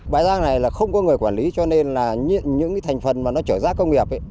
bãi rác này không có người quản lý cho nên những thành phần chở rác công nghiệp